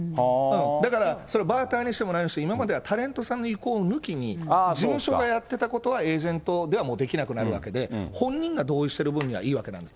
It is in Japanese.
だからそれ、バーターにしても、何にしても、今まではタレントさんの意向を抜きに、事務所がやってたことが、エージェントではもうできなくなるわけで、本人が同意してる分にはいいわけなんです。